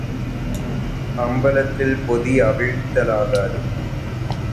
அம்பலத்தில் பொதி அவிழ்க்கலாகாது.